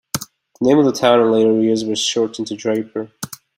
The name of the town in later years was shortened to Draper.